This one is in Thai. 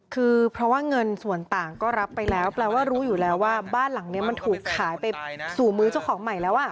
คือเพราะว่าเงินส่วนต่างก็รับไปแล้วแปลว่ารู้อยู่แล้วว่าบ้านหลังนี้มันถูกขายไปสู่มือเจ้าของใหม่แล้ว